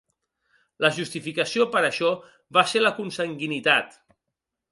La justificació per a això va ser la consanguinitat.